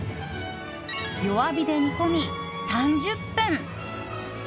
弱火で煮込み、３０分。